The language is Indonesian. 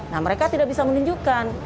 nah mereka tidak bisa menunjukkan